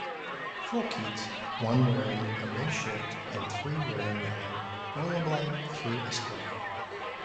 Four kids, one wearing a red shirt and three wearing yellow, rollerblade through a square.